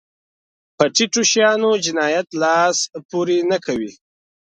په ټيټو شیانو جنایت لاس پورې نه کوي.